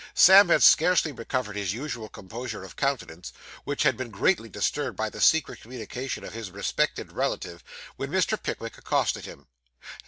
Sam had scarcely recovered his usual composure of countenance, which had been greatly disturbed by the secret communication of his respected relative, when Mr. Pickwick accosted him.